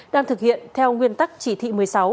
đang thực hiện theo nguyên tắc chỉ thị một mươi sáu